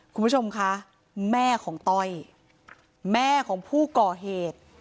คุณผู้ชมคะแม่ของต้อยแม่ของผู้ก่อเหตุ